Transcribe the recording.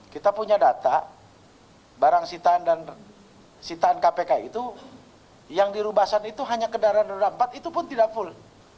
kita punya data barang sitaan dan sitaan kpk itu yang dirubasan itu hanya kendaraan roda empat itu pun tidak full